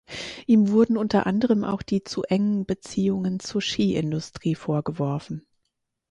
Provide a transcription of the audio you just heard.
Ihm wurden unter anderem auch die zu engen Beziehungen zur Ski-Industrie vorgeworfen.